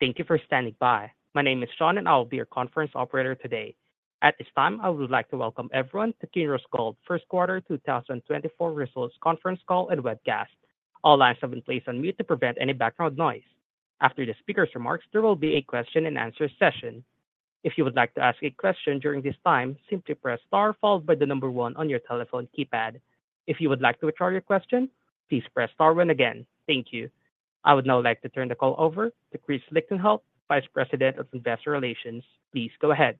Thank you for standing by. My name is Sean, and I will be your conference operator today. At this time, I would like to welcome everyone to Kinross Gold First Quarter 2024 Results Conference Call and Webcast. All lines have been placed on mute to prevent any background noise. After the speaker's remarks, there will be a question-and-answer session. If you would like to ask a question during this time, simply press star followed by the number one on your telephone keypad. If you would like to withdraw your question, please press star one again. Thank you. I would now like to turn the call over to Chris Lichtenheldt, Vice President of Investor Relations. Please go ahead.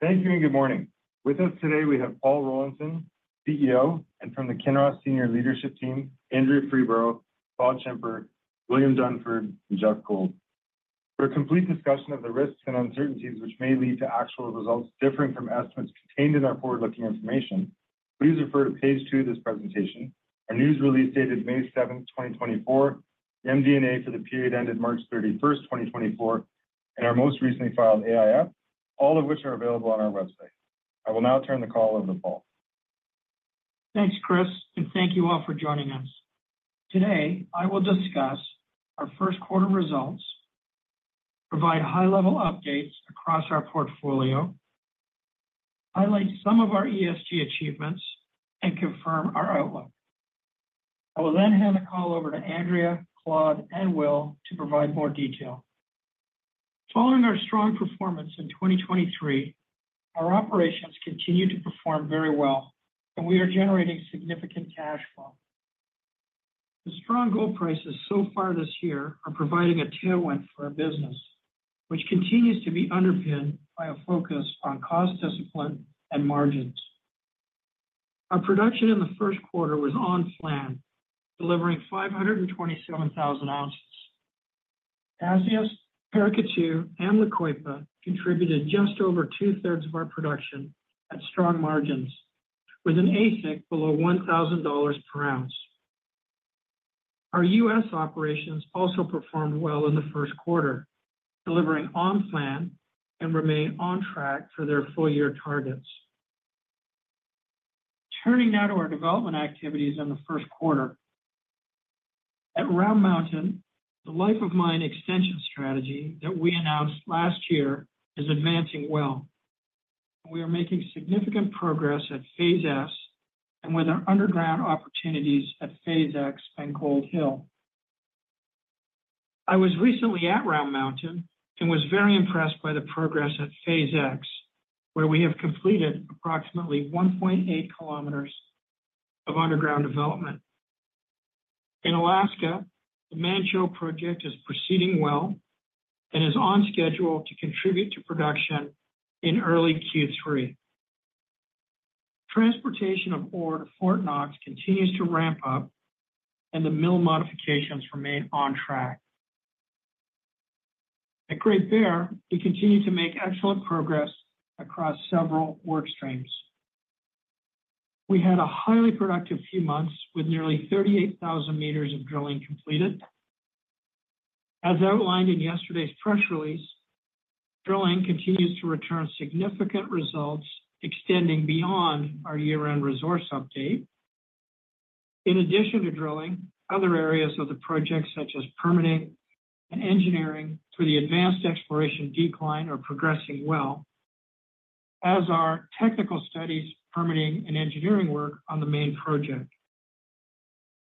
Thank you and good morning. With us today, we have Paul Rollinson, CEO, and from the Kinross Senior Leadership Team, Andrea Freeborough, Claude Schimper, William Dunford, and Geoff Gold. For a complete discussion of the risks and uncertainties which may lead to actual results different from estimates contained in our forward-looking information, please refer to page two of this presentation, our news release dated May 7, 2024, the MD&A for the period ended March 31, 2024, and our most recently filed AIF, all of which are available on our website. I will now turn the call over to Paul. Thanks, Chris, and thank you all for joining us. Today, I will discuss our first quarter results, provide high-level updates across our portfolio, highlight some of our ESG achievements, and confirm our outlook. I will then hand the call over to Andrea, Claude, and Will to provide more detail. Following our strong performance in 2023, our operations continue to perform very well, and we are generating significant cash flow. The strong gold prices so far this year are providing a tailwind for our business, which continues to be underpinned by a focus on cost discipline and margins. Our production in the first quarter was on plan, delivering 527,000 oz. Tasiast, Paracatu, and La Coipa contributed just over two-thirds of our production at strong margins, with an AISC below $1,000 per ounce. Our U.S. operations also performed well in the first quarter, delivering on plan and remained on track for their full-year targets. Turning now to our development activities in the first quarter. At Round Mountain, the Life of Mine extension strategy that we announced last year is advancing well, and we are making significant progress at Phase S and with our underground opportunities at Phase X and Gold Hill. I was recently at Round Mountain and was very impressed by the progress at Phase X, where we have completed approximately 1.8 km of underground development. In Alaska, the Manh Choh Project is proceeding well and is on schedule to contribute to production in early Q3. Transportation of ore to Fort Knox continues to ramp up, and the mill modifications remain on track. At Great Bear, we continue to make excellent progress across several work streams. We had a highly productive few months with nearly 38,000 m of drilling completed. As outlined in yesterday's press release, drilling continues to return significant results extending beyond our year-end resource update. In addition to drilling, other areas of the project such as permitting and engineering through the advanced exploration decline are progressing well, as are technical studies, permitting, and engineering work on the main project.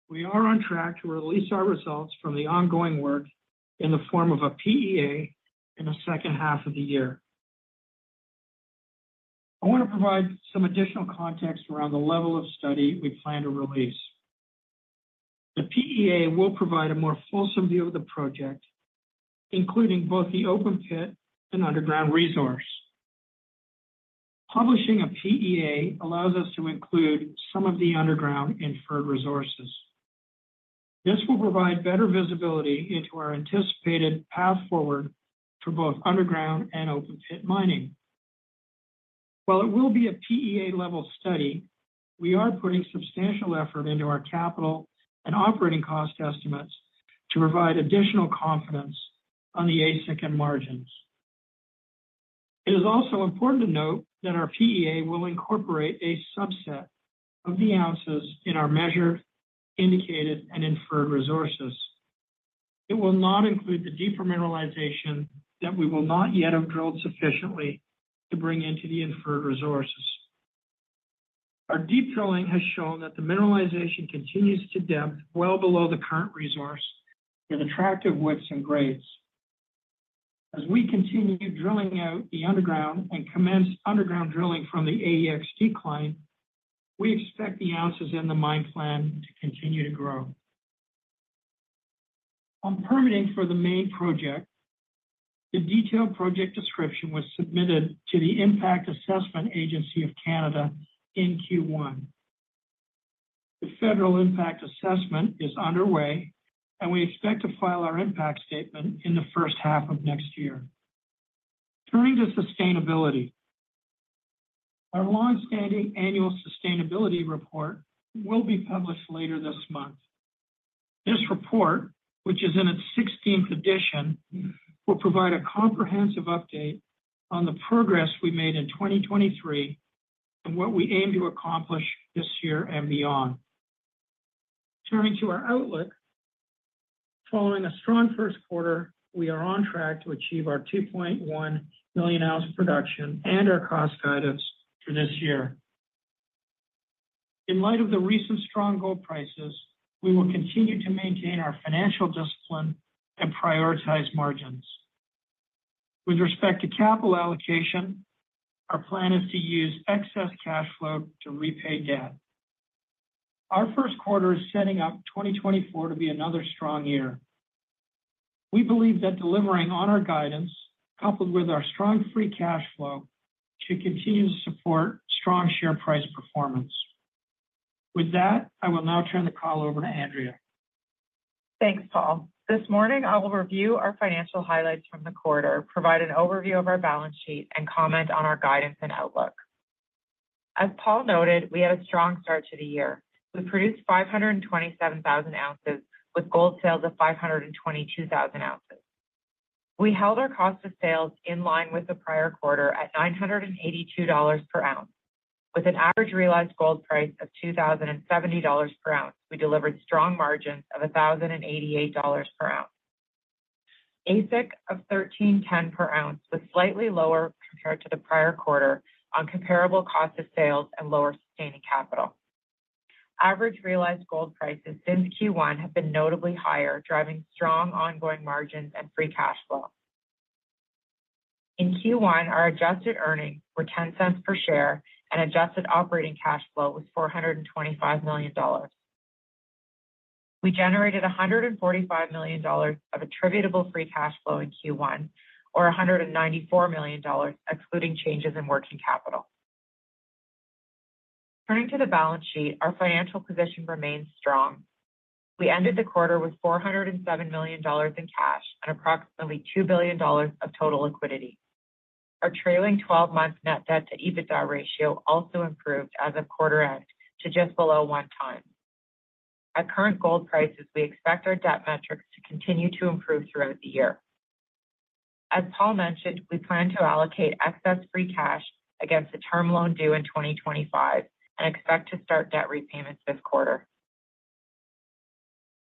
We are on track to release our results from the ongoing work in the form of a PEA in the second half of the year. I want to provide some additional context around the level of study we plan to release. The PEA will provide a more fulsome view of the project, including both the open pit and underground resource. Publishing a PEA allows us to include some of the underground inferred resources. This will provide better visibility into our anticipated path forward for both underground and open pit mining. While it will be a PEA-level study, we are putting substantial effort into our capital and operating cost estimates to provide additional confidence on the AISC and margins. It is also important to note that our PEA will incorporate a subset of the ounces in our measured, indicated, and inferred resources. It will not include the deeper mineralization that we will not yet have drilled sufficiently to bring into the inferred resources. Our deep drilling has shown that the mineralization continues to depth well below the current resource with attractive widths and grades. As we continue drilling out the underground and commence underground drilling from the AEX decline, we expect the ounces in the mine plan to continue to grow. On permitting for the main project, the detailed project description was submitted to the Impact Assessment Agency of Canada in Q1. The federal impact assessment is underway, and we expect to file our impact statement in the first half of next year. Turning to sustainability. Our longstanding annual sustainability report will be published later this month. This report, which is in its 16th edition, will provide a comprehensive update on the progress we made in 2023 and what we aim to accomplish this year and beyond. Turning to our outlook. Following a strong first quarter, we are on track to achieve our 2.1 million ounce production and our cost guidance for this year. In light of the recent strong gold prices, we will continue to maintain our financial discipline and prioritize margins. With respect to capital allocation, our plan is to use excess cash flow to repay debt. Our first quarter is setting up 2024 to be another strong year. We believe that delivering on our guidance, coupled with our strong free cash flow, should continue to support strong share price performance. With that, I will now turn the call over to Andrea. Thanks, Paul. This morning, I will review our financial highlights from the quarter, provide an overview of our balance sheet, and comment on our guidance and outlook. As Paul noted, we had a strong start to the year. We produced 527,000 oz with gold sales of 522,000 oz. We held our cost of sales in line with the prior quarter at $982 per ounce. With an average realized gold price of $2,070 per ounce, we delivered strong margins of $1,088 per ounce. AISC of $1,310 per ounce was slightly lower compared to the prior quarter on comparable cost of sales and lower sustaining capital. Average realized gold prices since Q1 have been notably higher, driving strong ongoing margins and free cash flow. In Q1, our adjusted earnings were $0.10 per share, and adjusted operating cash flow was $425 million. We generated $145 million of attributable free cash flow in Q1, or $194 million excluding changes in working capital. Turning to the balance sheet, our financial position remains strong. We ended the quarter with $407 million in cash and approximately $2 billion of total liquidity. Our trailing 12-month net debt to EBITDA ratio also improved as of quarter end to just below 1x. At current gold prices, we expect our debt metrics to continue to improve throughout the year. As Paul mentioned, we plan to allocate excess free cash against the term loan due in 2025 and expect to start debt repayments this quarter.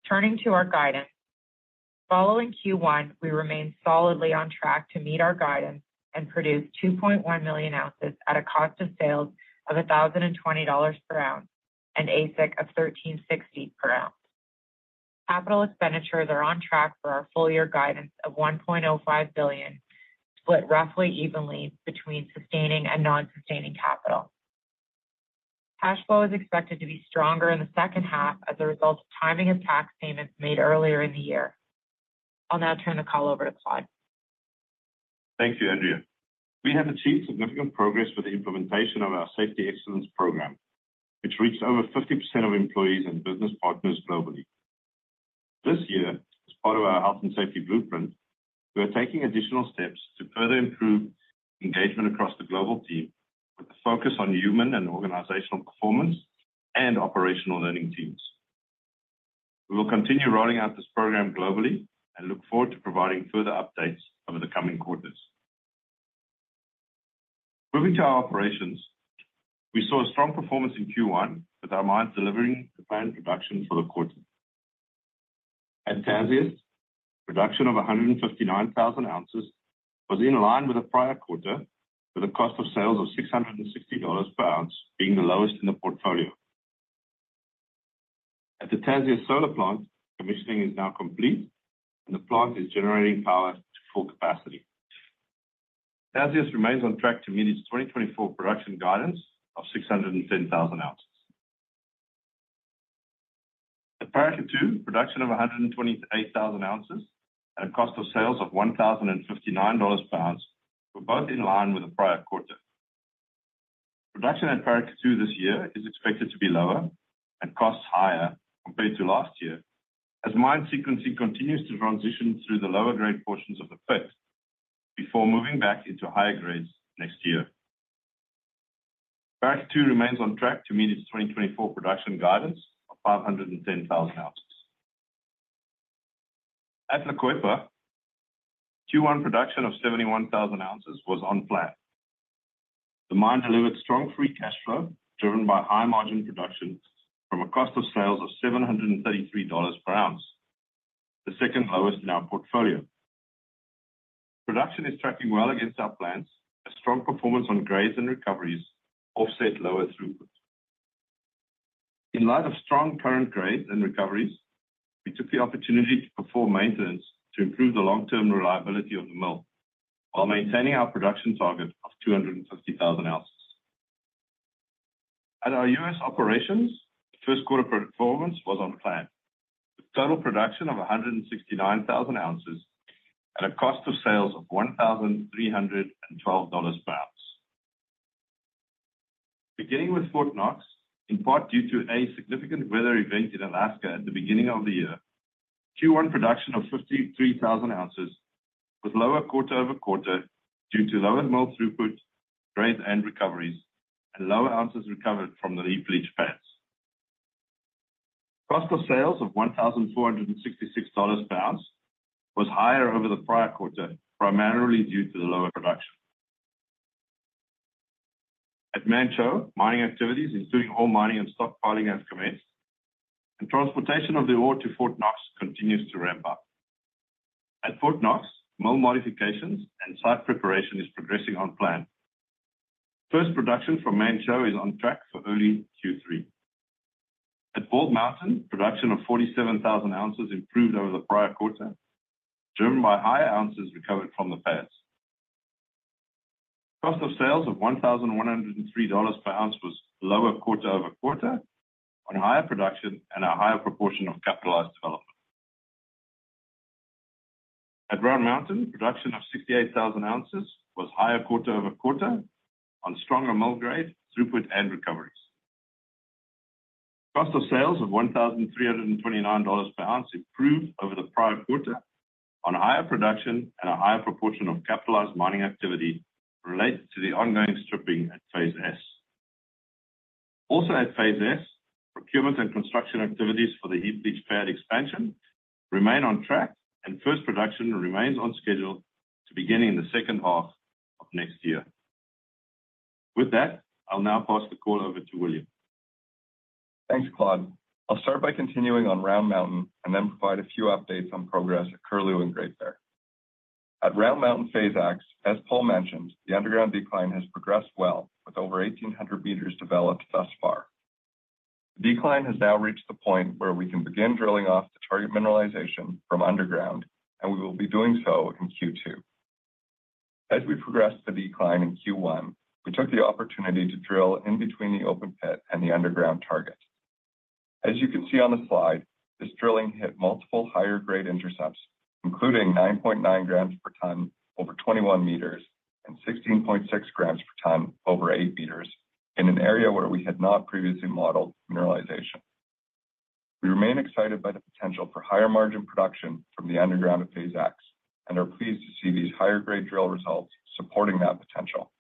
Turning to our guidance. Following Q1, we remain solidly on track to meet our guidance and produce 2.1 million ounces at a cost of sales of $1,020 per ounce and AISC of $1,360 per ounce. Capital expenditures are on track for our full-year guidance of $1.05 billion, split roughly evenly between sustaining and non-sustaining capital. Cash flow is expected to be stronger in the second half as a result of timing of tax payments made earlier in the year. I'll now turn the call over to Claude. Thank you, Andrea. We have achieved significant progress with the implementation of our Safety Excellence Program, which reached over 50% of employees and business partners globally. This year, as part of our health and safety blueprint, we are taking additional steps to further improve engagement across the global team with a focus on human and organizational performance and operational learning teams. We will continue rolling out this program globally and look forward to providing further updates over the coming quarters. Moving to our operations, we saw a strong performance in Q1 with our mines delivering the planned production for the quarter. At Tasiast, production of 159,000 oz was in line with the prior quarter, with a cost of sales of $660 per ounce being the lowest in the portfolio. At the Tasiast solar plant, commissioning is now complete, and the plant is generating power to full capacity. Tasiast remains on track to meet its 2024 production guidance of 610,000 oz. At Paracatu, production of 128,000 oz at a cost of sales of $1,059 per ounce were both in line with the prior quarter. Production at Paracatu this year is expected to be lower and costs higher compared to last year as mine sequencing continues to transition through the lower grade portions of the pit before moving back into higher grades next year. Paracatu remains on track to meet its 2024 production guidance of 510,000 oz. At La Coipa, Q1 production of 71,000 oz was on plan. The mine delivered strong free cash flow driven by high margin production from a cost of sales of $733 per ounce, the second lowest in our portfolio. Production is tracking well against our plans, as strong performance on grades and recoveries offset lower throughput. In light of strong current grades and recoveries, we took the opportunity to perform maintenance to improve the long-term reliability of the mill while maintaining our production target of 250,000 oz. At our U.S. operations, first quarter performance was on plan with total production of 169,000 oz at a cost of sales of $1,312 per ounce. Beginning with Fort Knox, in part due to a significant weather event in Alaska at the beginning of the year, Q1 production of 53,000 oz was lower quarter-over-quarter due to lower mill throughput, grade and recoveries, and lower ounces recovered from the heap leach pads. Cost of sales of $1,466 per ounce was higher over the prior quarter, primarily due to the lower production. At Manh Choh, mining activities, including ore mining and stockpiling, have commenced, and transportation of the ore to Fort Knox continues to ramp up. At Fort Knox, mill modifications and site preparation are progressing on plan. First production from Manh Choh is on track for early Q3. At Bald Mountain, production of 47,000 oz improved over the prior quarter, driven by higher ounces recovered from the pads. Cost of sales of $1,103 per ounce was lower quarter-over-quarter on higher production and a higher proportion of capitalized development. At Round Mountain, production of 68,000 oz was higher quarter-over-quarter on stronger mill grade, throughput, and recoveries. Cost of sales of $1,329 per ounce improved over the prior quarter on higher production and a higher proportion of capitalized mining activity related to the ongoing stripping at Phase S. Also at Phase S, procurement and construction activities for the heap leach pad expansion remain on track, and first production remains on schedule to begin in the second half of next year. With that, I'll now pass the call over to William. Thanks, Claude. I'll start by continuing on Round Mountain and then provide a few updates on progress at Curlew and Great Bear. At Round Mountain Phase X, as Paul mentioned, the underground decline has progressed well with over 1,800 m developed thus far. The decline has now reached the point where we can begin drilling off the target mineralization from underground, and we will be doing so in Q2. As we progressed the decline in Q1, we took the opportunity to drill in between the open pit and the underground target. As you can see on the slide, this drilling hit multiple higher grade intercepts, including 9.9 g per ton over 21 m and 16.6 g per ton over 8 m in an area where we had not previously modeled mineralization. We remain excited by the potential for higher margin production from the underground at Phase X and are pleased to see these higher grade drill results supporting that potential.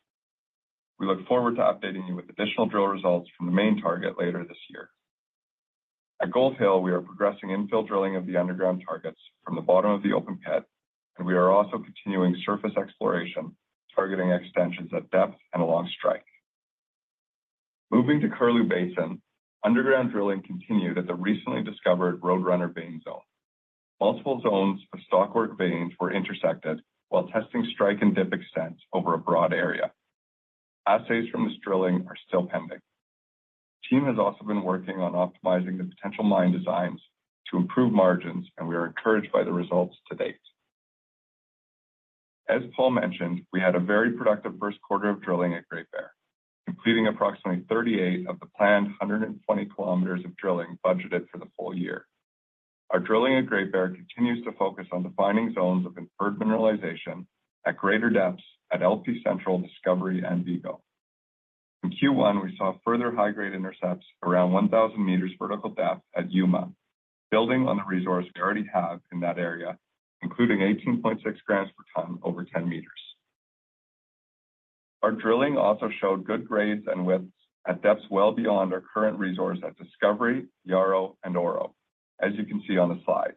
We look forward to updating you with additional drill results from the main target later this year. At Gold Hill, we are progressing infill drilling of the underground targets from the bottom of the open pit, and we are also continuing surface exploration targeting extensions at depth and along strike. Moving to Curlew Basin, underground drilling continued at the recently discovered Roadrunner vein zone. Multiple zones of stockwork veins were intersected while testing strike and dip extents over a broad area. Assays from this drilling are still pending. The team has also been working on optimizing the potential mine designs to improve margins, and we are encouraged by the results to date. As Paul mentioned, we had a very productive first quarter of drilling at Great Bear, completing approximately 38 km of the planned 120 km of drilling budgeted for the full year. Our drilling at Great Bear continues to focus on defining zones of inferred mineralization at greater depths at LP Central, Discovery, and Vigo. In Q1, we saw further high grade intercepts around 1,000 m vertical depth at Yuma, building on the resource we already have in that area, including 18.6 g per ton over 10 m. Our drilling also showed good grades and widths at depths well beyond our current resource at Discovery, Yauro, and Auro, as you can see on the slide.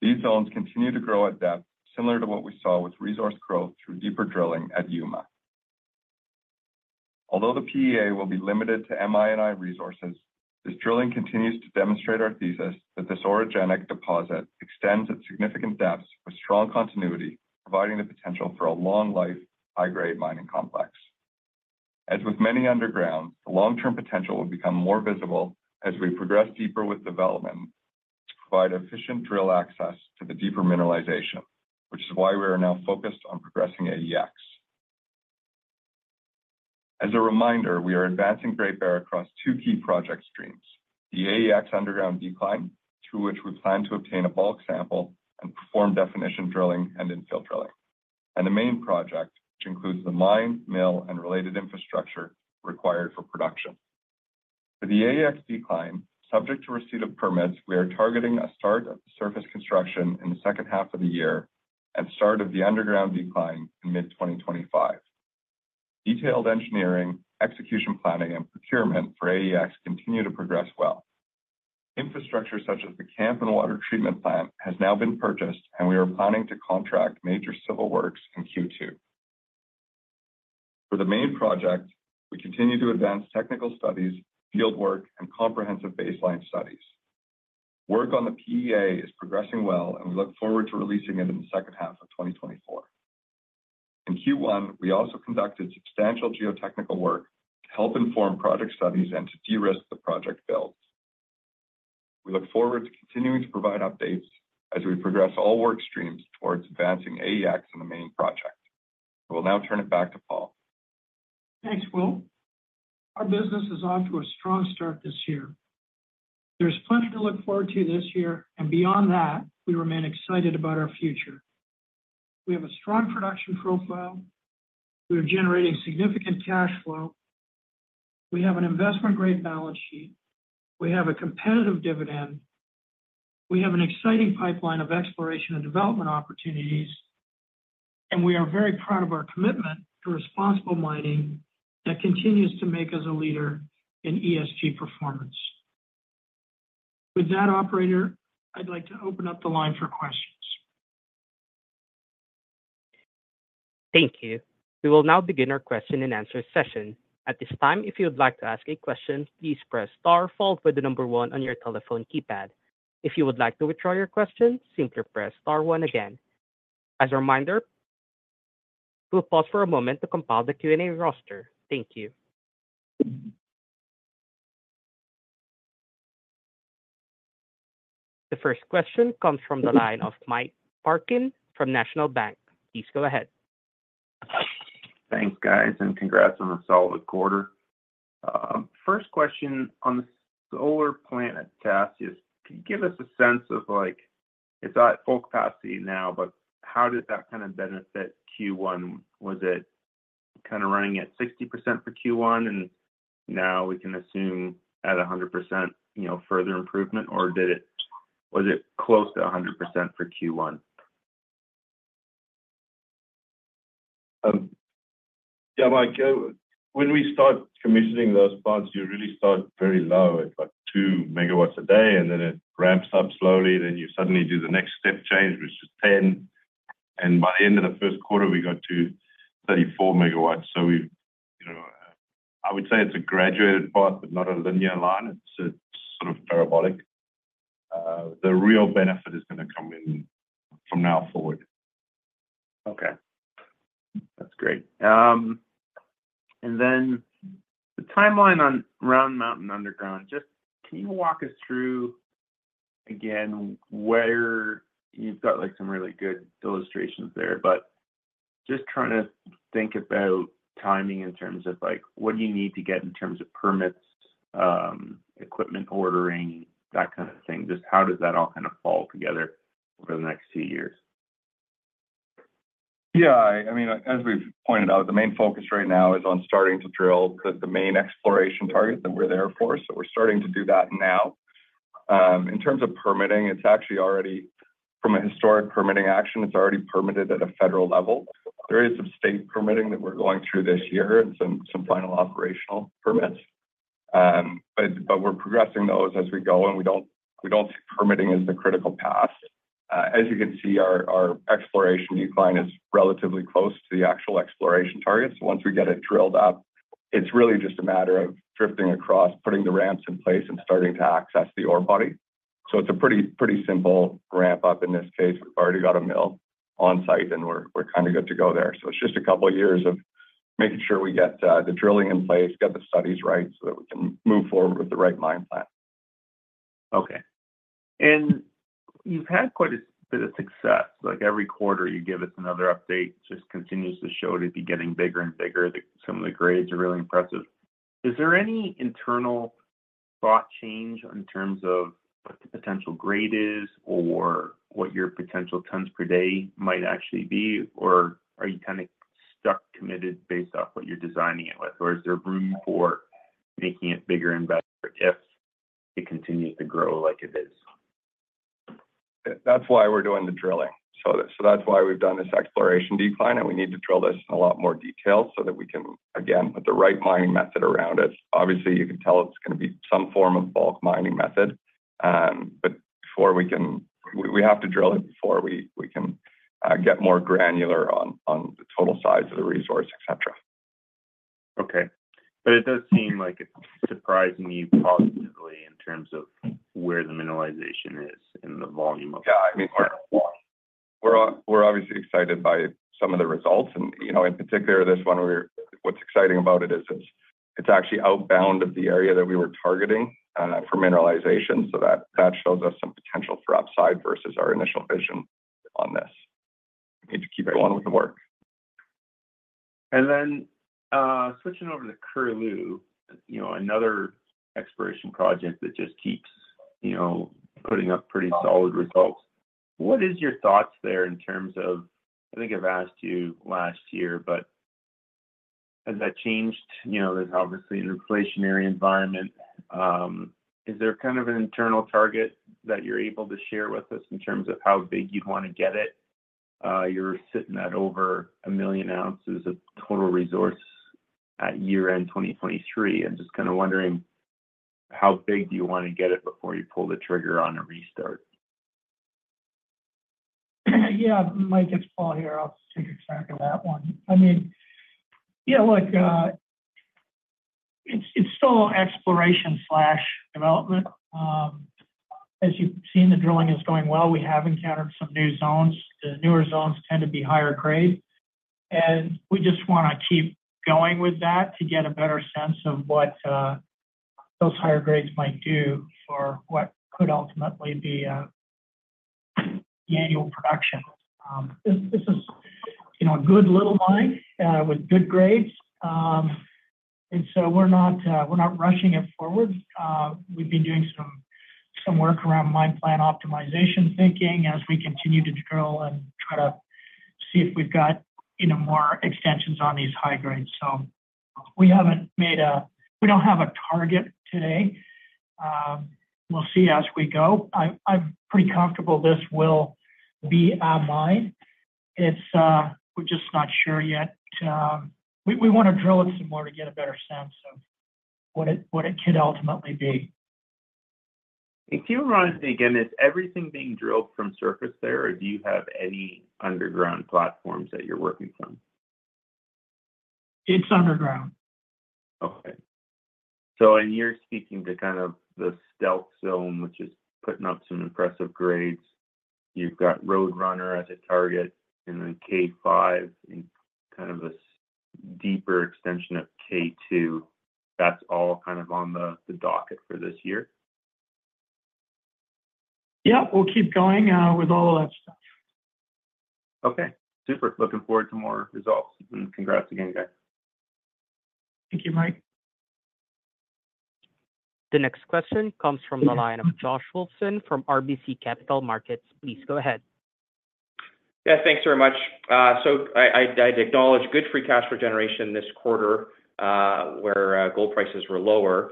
These zones continue to grow at depth similar to what we saw with resource growth through deeper drilling at Yuma. Although the PEA will be limited to MI&I resources, this drilling continues to demonstrate our thesis that this orogenic deposit extends at significant depths with strong continuity, providing the potential for a long-life, high grade mining complex. As with many undergrounds, the long-term potential will become more visible as we progress deeper with development to provide efficient drill access to the deeper mineralization, which is why we are now focused on progressing AEX. As a reminder, we are advancing Great Bear across two key project streams: the AEX underground decline, through which we plan to obtain a bulk sample and perform definition drilling and infill drilling, and the main project, which includes the mine, mill, and related infrastructure required for production. For the AEX decline, subject to receipt of permits, we are targeting a start of the surface construction in the second half of the year and start of the underground decline in mid-2025. Detailed engineering, execution planning, and procurement for AEX continue to progress well. Infrastructure such as the camp and water treatment plant has now been purchased, and we are planning to contract major civil works in Q2. For the main project, we continue to advance technical studies, fieldwork, and comprehensive baseline studies. Work on the PEA is progressing well, and we look forward to releasing it in the second half of 2024. In Q1, we also conducted substantial geotechnical work to help inform project studies and to de-risk the project build. We look forward to continuing to provide updates as we progress all work streams towards advancing AEX and the main project. I will now turn it back to Paul. Thanks, Will. Our business is off to a strong start this year. There's plenty to look forward to this year, and beyond that, we remain excited about our future. We have a strong production profile. We are generating significant cash flow. We have an investment grade balance sheet. We have a competitive dividend. We have an exciting pipeline of exploration and development opportunities, and we are very proud of our commitment to responsible mining that continues to make us a leader in ESG performance. With that, operator, I'd like to open up the line for questions. Thank you. We will now begin our question and answer session. At this time, if you would like to ask a question, please press star followed by the number one on your telephone keypad. If you would like to withdraw your question, simply press star one again. As a reminder, we'll pause for a moment to compile the Q&A roster. Thank you. The first question comes from the line of Mike Parkin from National Bank. Please go ahead. Thanks, guys, and congrats on a solid quarter. First question on the solar plant at Tasiast. Can you give us a sense of it's at full capacity now, but how did that kind of benefit Q1? Was it kind of running at 60% for Q1, and now we can assume at 100% further improvement, or was it close to 100% for Q1? Yeah, Mike. When we start commissioning those plants, you really start very low at like 2 MW a day, and then it ramps up slowly. Then you suddenly do the next step change, which is 10 MW. And by the end of the first quarter, we got to 34 MW. So I would say it's a graduated path, but not a linear line. It's sort of parabolic. The real benefit is going to come in from now forward. Okay. That's great. And then the timeline on Round Mountain underground, just can you walk us through again where you've got some really good illustrations there, but just trying to think about timing in terms of what do you need to get in terms of permits, equipment ordering, that kind of thing? Just how does that all kind of fall together over the next few years? Yeah. I mean, as we've pointed out, the main focus right now is on starting to drill the main exploration target that we're there for. So we're starting to do that now. In terms of permitting, it's actually already from a historic permitting action, it's already permitted at a federal level. There is some state permitting that we're going through this year and some final operational permits, but we're progressing those as we go, and we don't see permitting as the critical path. As you can see, our exploration decline is relatively close to the actual exploration target. So once we get it drilled up, it's really just a matter of drifting across, putting the ramps in place, and starting to access the ore body. So it's a pretty simple ramp up in this case. We've already got a mill on site, and we're kind of good to go there. It's just a couple of years of making sure we get the drilling in place, get the studies right so that we can move forward with the right mine plan. Okay. And you've had quite a bit of success. Every quarter, you give us another update. It just continues to show to be getting bigger and bigger. Some of the grades are really impressive. Is there any internal thought change in terms of what the potential grade is or what your potential tons per day might actually be, or are you kind of stuck committed based off what you're designing it with, or is there room for making it bigger and better if it continues to grow like it is? That's why we're doing the drilling. So that's why we've done this exploration decline, and we need to drill this in a lot more detail so that we can, again, put the right mining method around it. Obviously, you can tell it's going to be some form of bulk mining method, but we have to drill it before we can get more granular on the total size of the resource, etc. Okay. But it does seem like it's surprising you positively in terms of where the mineralization is and the volume of. Yeah. I mean, we're obviously excited by some of the results. In particular, this one, what's exciting about it is it's actually outbound of the area that we were targeting for mineralization. So that shows us some potential for upside versus our initial vision on this. We need to keep going with the work. Then switching over to Curlew, another exploration project that just keeps putting up pretty solid results. What is your thoughts there in terms of I think I've asked you last year, but has that changed? There's obviously an inflationary environment. Is there kind of an internal target that you're able to share with us in terms of how big you'd want to get it? You're sitting at over a million ounces of total resource at year-end 2023. I'm just kind of wondering, how big do you want to get it before you pull the trigger on a restart? Yeah, Mike, it's Paul here. I'll take a check of that one. I mean, yeah, look, it's still exploration/development. As you've seen, the drilling is going well. We have encountered some new zones. The newer zones tend to be higher grade. And we just want to keep going with that to get a better sense of what those higher grades might do for what could ultimately be the annual production. This is a good little mine with good grades. And so we're not rushing it forward. We've been doing some work around mine plant optimization thinking as we continue to drill and try to see if we've got more extensions on these high grades. So we don't have a target today. We'll see as we go. I'm pretty comfortable this will be our mine. We're just not sure yet. We want to drill it some more to get a better sense of what it could ultimately be. If you were wanting to begin, is everything being drilled from surface there, or do you have any underground platforms that you're working from? It's underground. Okay. So and you're speaking to kind of the Stealth zone, which is putting up some impressive grades. You've got Roadrunner as a target and then K5 and kind of a deeper extension of K2. That's all kind of on the docket for this year? Yeah. We'll keep going with all of that stuff. Okay. Super. Looking forward to more results. Congrats again, guys. Thank you, Mike. The next question comes from the line of Josh Wolfson from RBC Capital Markets. Please go ahead. Yeah. Thanks very much. So I'd acknowledge good free cash generation this quarter where gold prices were lower.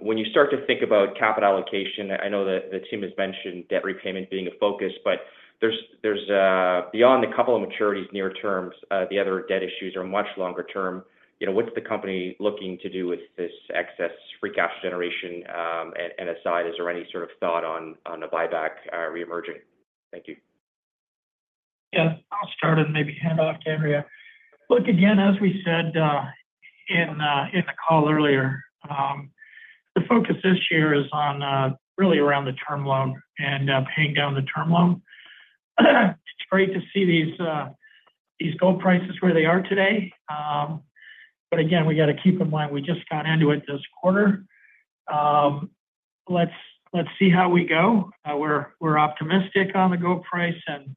When you start to think about capital allocation, I know the team has mentioned debt repayment being a focus, but beyond a couple of maturities near term, the other debt issues are much longer term. What's the company looking to do with this excess free cash generation and aside? Is there any sort of thought on a buyback reemerging? Thank you. Yeah. I'll start and maybe hand off to Andrea. Look, again, as we said in the call earlier, the focus this year is really around the term loan and paying down the term loan. It's great to see these gold prices where they are today. But again, we got to keep in mind we just got into it this quarter. Let's see how we go. We're optimistic on the gold price, and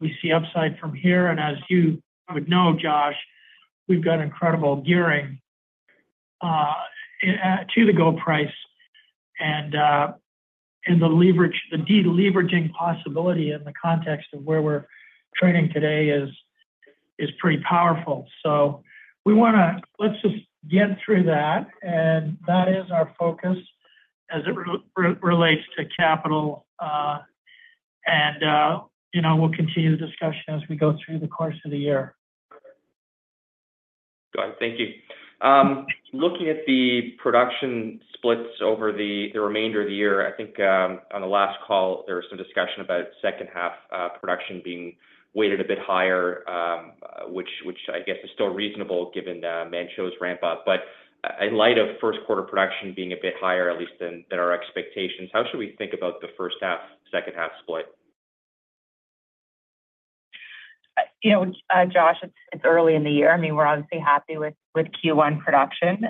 we see upside from here. And as you would know, Josh, we've got incredible gearing to the gold price. And the de-leveraging possibility in the context of where we're trading today is pretty powerful. So let's just get through that, and that is our focus as it relates to capital. And we'll continue the discussion as we go through the course of the year. Got it. Thank you. Looking at the production splits over the remainder of the year, I think on the last call, there was some discussion about second-half production being weighted a bit higher, which I guess is still reasonable given Manh Choh's ramp-up. But in light of first-quarter production being a bit higher, at least than our expectations, how should we think about the first-half, second-half split? Josh, it's early in the year. I mean, we're obviously happy with Q1 production.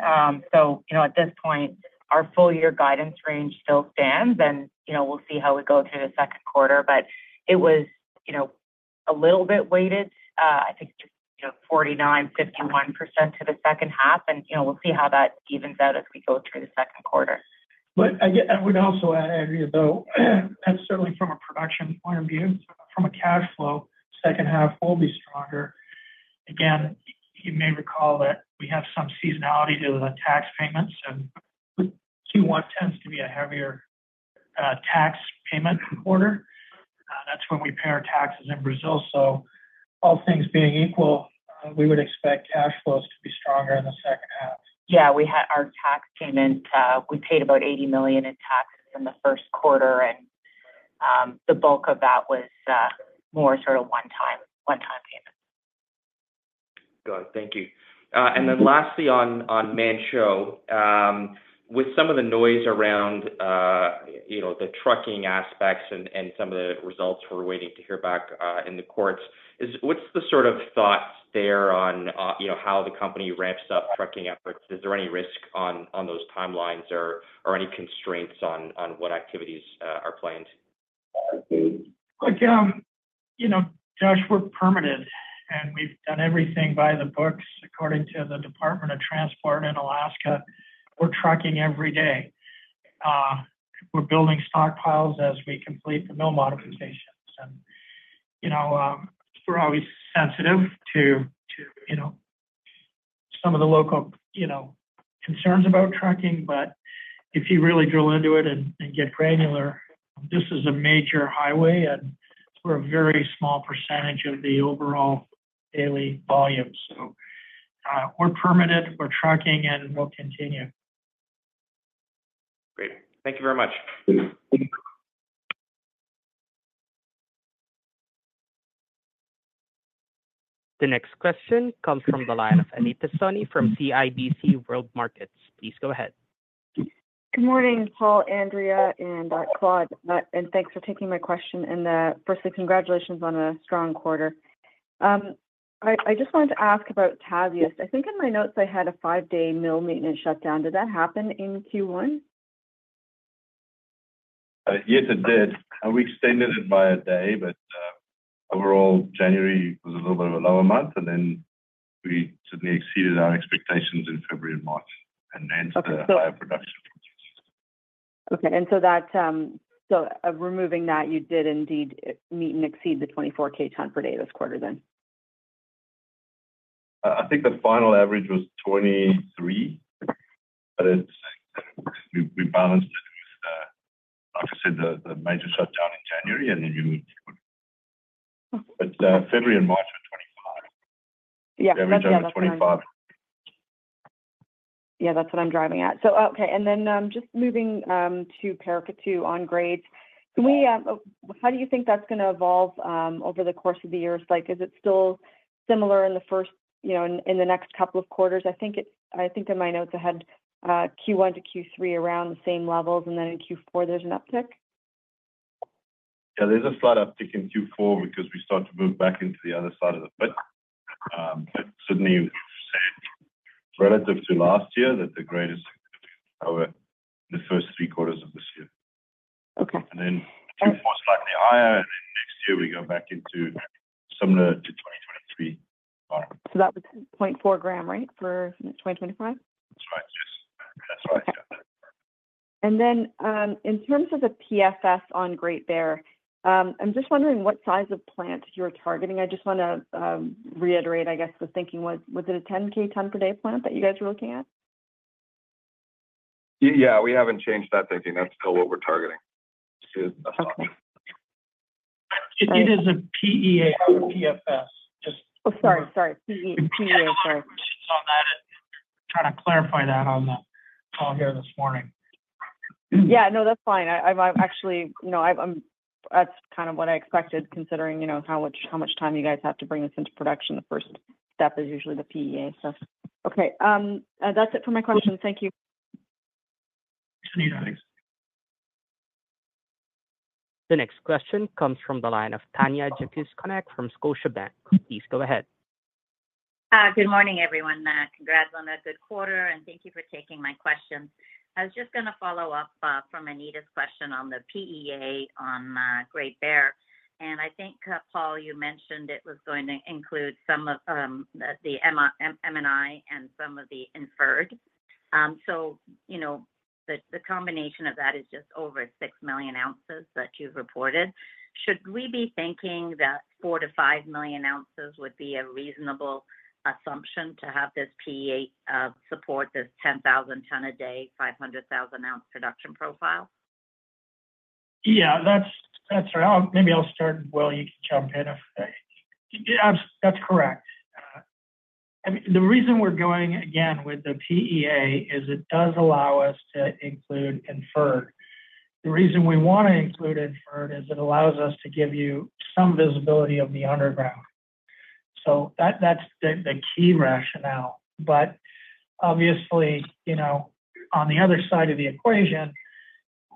So at this point, our full-year guidance range still stands, and we'll see how we go through the second quarter. But it was a little bit weighted, I think, 49%-51% to the second half. And we'll see how that evens out as we go through the second quarter. But I would also add, Andrea, though, that's certainly from a production point of view. From a cash flow, second half will be stronger. Again, you may recall that we have some seasonality to the tax payments. And Q1 tends to be a heavier tax payment quarter. That's when we pay our taxes in Brazil. So all things being equal, we would expect cash flows to be stronger in the second half. Yeah. Our tax payments, we paid about $80 million in taxes in the first quarter, and the bulk of that was more sort of one-time payments. Got it. Thank you. And then lastly on Manh Choh, with some of the noise around the trucking aspects and some of the results we're waiting to hear back in the courts, what's the sort of thoughts there on how the company ramps up trucking efforts? Is there any risk on those timelines or any constraints on what activities are planned? Look, Josh, we're permitted, and we've done everything by the book according to the Department of Transportation in Alaska. We're trucking every day. We're building stockpiles as we complete the mill modifications. We're always sensitive to some of the local concerns about trucking. But if you really drill into it and get granular, this is a major highway, and we're a very small percentage of the overall daily volume. So we're permitted. We're trucking, and we'll continue. Great. Thank you very much. The next question comes from the line of Anita Soni from CIBC World Markets. Please go ahead. Good morning, Paul, Andrea, and Claude. Thanks for taking my question. Firstly, congratulations on a strong quarter. I just wanted to ask about Tasiast. I think in my notes, I had a five-day mill maintenance shutdown. Did that happen in Q1? Yes, it did. We extended it by a day, but overall, January was a little bit of a lower month. And then we certainly exceeded our expectations in February and March and ramped the higher production production. Okay. Removing that, you did indeed meet and exceed the 24,000 ton per day this quarter then? I think the final average was 23, but we balanced it with, like I said, the major shutdown in January, and then we moved. But February and March were 25. Average out of 25. Yeah. That's what I'm driving at. So okay. And then just moving to Paracatu on grades. How do you think that's going to evolve over the course of the years? Is it still similar in the first in the next couple of quarters? I think in my notes, I had Q1 to Q3 around the same levels, and then in Q4, there's an uptick? Yeah. There's a slight uptick in Q4 because we start to move back into the other side of the foot. But certainly, we've said relative to last year that the grade is significantly lower in the first three quarters of this year. And then Q4 is slightly higher, and then next year, we go back into similar to 2023. That was 0.4 g, right, for 2025? That's right. Yes. That's right. Yeah. And then in terms of the PFS on Great Bear, I'm just wondering what size of plant you're targeting. I just want to reiterate, I guess, the thinking. Was it a 10,000 ton per day plant that you guys were looking at? Yeah. We haven't changed that thinking. That's still what we're targeting. It is a PEA or PFS. Just. Oh, sorry. Sorry. PEA. Sorry. I had some questions on that and trying to clarify that on the call here this morning. Yeah. No, that's fine. Actually, that's kind of what I expected considering how much time you guys have to bring this into production. The first step is usually the PEA. So okay. That's it for my questions. Thank you. Thanks. The next question comes from the line of Tanya Jakusconek from Scotiabank. Please go ahead. Good morning, everyone. Congrats on a good quarter, and thank you for taking my questions. I was just going to follow up from Anita's question on the PEA on Great Bear. And I think, Paul, you mentioned it was going to include some of the M&I and some of the inferred. So the combination of that is just over 6 million ounces that you've reported. Should we be thinking that 4-5 million ounces would be a reasonable assumption to have this PEA support this 10,000 ton-a-day, 500,000 oz production profile? Yeah. That's right. Maybe I'll start. Will, you can jump in if that's correct. I mean, the reason we're going, again, with the PEA is it does allow us to include inferred. The reason we want to include inferred is it allows us to give you some visibility of the underground. So that's the key rationale. But obviously, on the other side of the equation,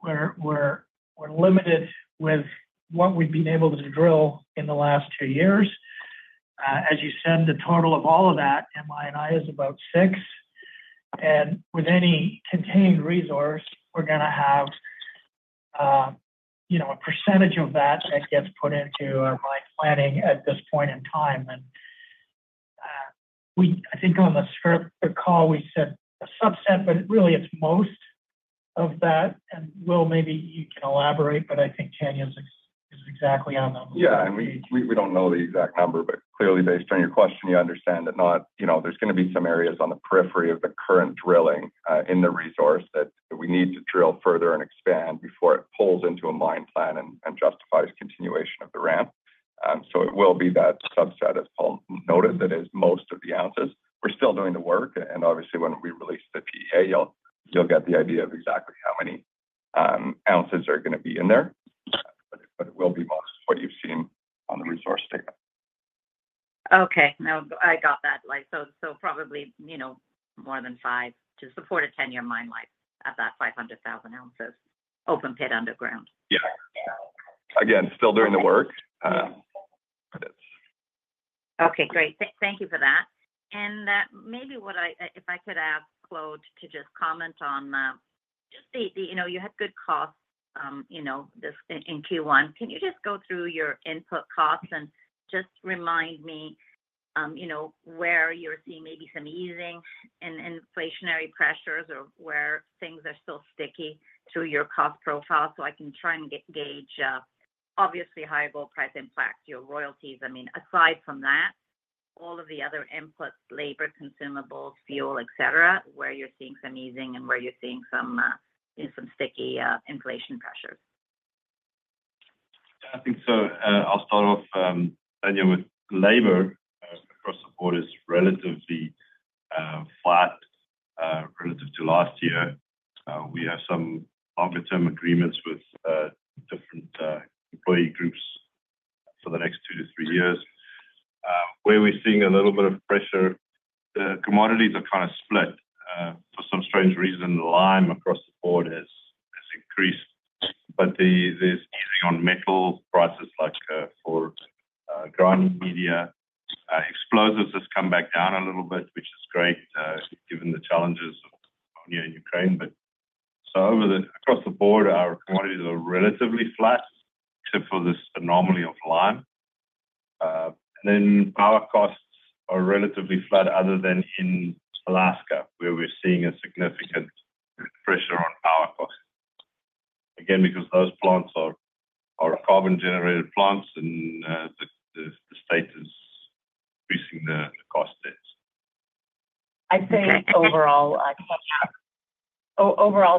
we're limited with what we've been able to drill in the last two years. As you said, the total of all of that, MI&I, is about 6. And with any contained resource, we're going to have a percentage of that that gets put into our mine planning at this point in time. And I think on the script or call, we said a subset, but really, it's most of that. And Will, maybe you can elaborate, but I think Tanya is exactly on that. Yeah. We don't know the exact number. But clearly, based on your question, you understand that there's going to be some areas on the periphery of the current drilling in the resource that we need to drill further and expand before it pulls into a mine plan and justifies continuation of the ramp. So it will be that subset, as Paul noted, that is most of the ounces. We're still doing the work. And obviously, when we release the PEA, you'll get the idea of exactly how many ounces are going to be in there. But it will be most of what you've seen on the resource data. Okay. No, I got that. So probably more than 5 to support a 10-year mine life at that 500,000 oz open pit underground. Yeah. Again, still doing the work, but it's. Okay. Great. Thank you for that. And maybe if I could ask Claude to just comment on just that you had good costs in Q1. Can you just go through your input costs and just remind me where you're seeing maybe some easing in inflationary pressures or where things are still sticky through your cost profile so I can try and gauge obviously higher gold price impact, your royalties. I mean, aside from that, all of the other inputs, labor, consumables, fuel, etc., where you're seeing some easing and where you're seeing some sticky inflation pressures? Yeah. I think so. I'll start off, Tanya, with labor. Across the board, it's relatively flat relative to last year. We have some longer-term agreements with different employee groups for the next 2-3 years. Where we're seeing a little bit of pressure, the commodities are kind of split. For some strange reason, the lime across the board has increased. But there's easing on metal prices for grinding media. Explosives have come back down a little bit, which is great given the challenges of Poland and Ukraine. So across the board, our commodities are relatively flat except for this anomaly of lime. And then power costs are relatively flat other than in Alaska where we're seeing a significant pressure on power costs. Again, because those plants are carbon-generated plants, and the state is increasing the cost debts. I'd say overall,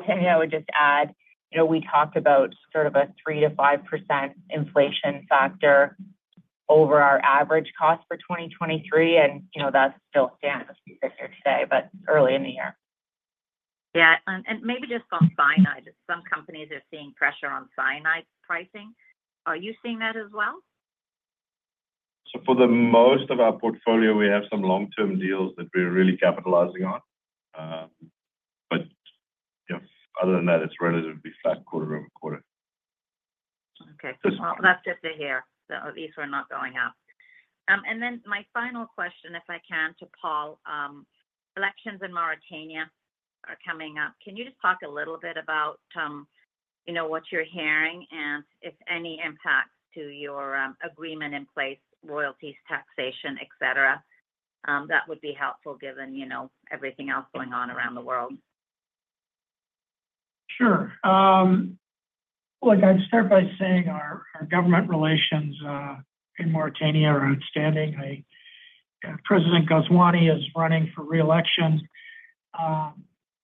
Tanya, I would just add we talked about sort of a 3%-5% inflation factor over our average cost for 2023. That still stands if you sit here today, but early in the year. Yeah. And maybe just on cyanide. Some companies are seeing pressure on cyanide pricing. Are you seeing that as well? For the most of our portfolio, we have some long-term deals that we're really capitalizing on. Other than that, it's relatively flat quarter-over-quarter. Okay. Well, that's just ahead. These were not going up. Then my final question, if I can, to Paul. Elections in Mauritania are coming up. Can you just talk a little bit about what you're hearing and if any impacts to your agreement in place, royalties, taxation, etc.? That would be helpful given everything else going on around the world. Sure. Well, I'd start by saying our government relations in Mauritania are outstanding. President Ghazouani is running for reelection.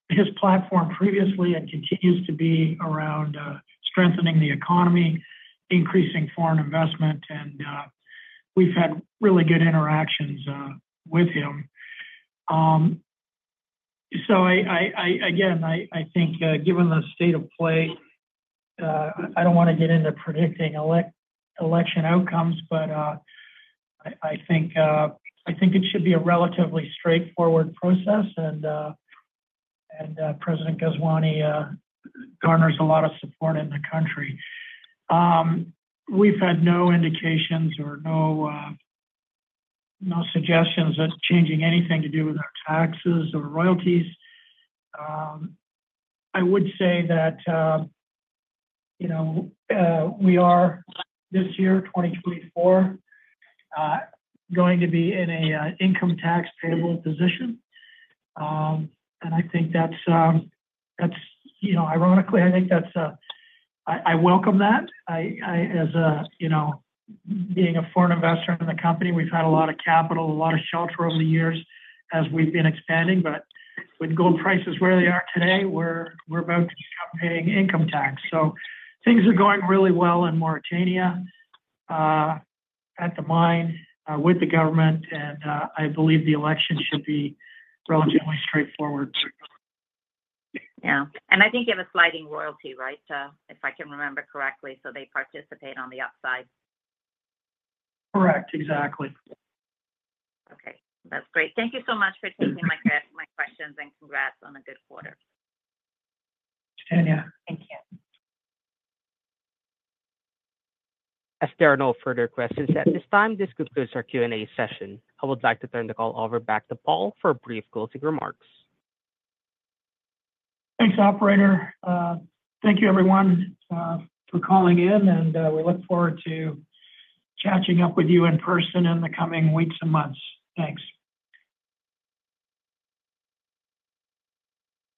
His platform previously and continues to be around strengthening the economy, increasing foreign investment. And we've had really good interactions with him. So again, I think given the state of play, I don't want to get into predicting election outcomes, but I think it should be a relatively straightforward process. And President Ghazouani garners a lot of support in the country. We've had no indications or no suggestions of changing anything to do with our taxes or royalties. I would say that we are this year, 2024, going to be in an income tax payable position. And I think that's, ironically, I welcome that. As being a foreign investor in the company, we've had a lot of capital, a lot of shelter over the years as we've been expanding. With gold prices where they are today, we're about to become paying income tax. Things are going really well in Mauritania at the mine with the government. I believe the election should be relatively straightforward. Yeah. And I think you have a sliding royalty, right, if I can remember correctly? So they participate on the upside. Correct. Exactly. Okay. That's great. Thank you so much for taking my questions and congrats on a good quarter. Tanya, Thank you. As there are no further questions at this time, this concludes our Q&A session. I would like to turn the call over back to Paul for brief closing remarks. Thanks, operator. Thank you, everyone, for calling in. We look forward to catching up with you in person in the coming weeks and months. Thanks.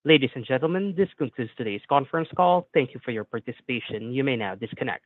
Ladies and gentlemen, this concludes today's conference call. Thank you for your participation. You may now disconnect.